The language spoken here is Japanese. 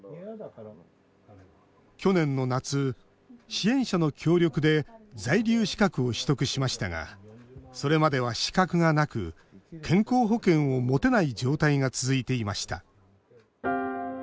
去年の夏、支援者の協力で在留資格を取得しましたがそれまでは資格がなく健康保険を持てない状態が続いていました。